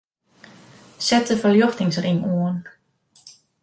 Set de ferljochtingsring oan.